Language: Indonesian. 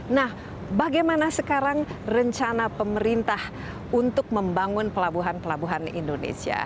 nah bagaimana sekarang rencana pemerintah untuk membangun pelabuhan pelabuhan indonesia